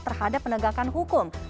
terhadap penegakan hukum